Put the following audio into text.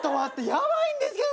ヤバいんですけど。